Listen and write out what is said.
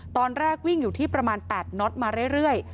ตอนแรกวิ่งอยู่ที่ประมาณ๘น็อตมาเรื่อย